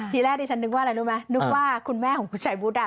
ทีแรกที่ฉันนึกว่าอะไรรู้ไหมนึกว่าคุณแม่ของคุณชายวุฒิอ่ะ